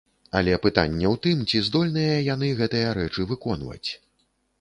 Але пытанне ў тым, ці здольныя яны гэтыя рэчы выконваць?